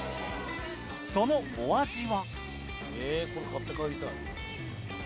そのお味は？